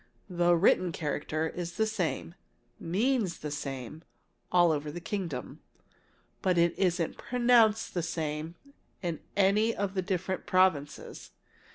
The written character is the same means the same all over the kingdom. But it isn't pronounced the same in any of the different provinces.